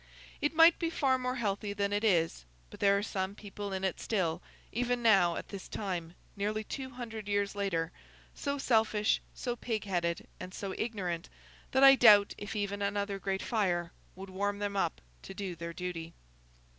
It might be far more healthy than it is, but there are some people in it still—even now, at this time, nearly two hundred years later—so selfish, so pig headed, and so ignorant, that I doubt if even another Great Fire would warm them up to do their duty.